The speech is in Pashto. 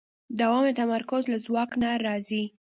دوام د تمرکز له ځواک نه راځي.